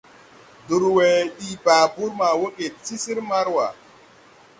Durwe dii babur ma wooge ti sir Marua.